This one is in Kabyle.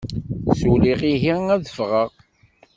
Ssuliɣ, ihi ad ffɣeɣ.